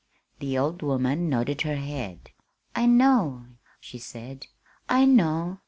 The old woman nodded her head. "I know," she said, "I know.